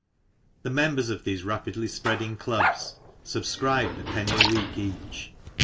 The members of these rapidly spreading clubs subscribed a penny a week each.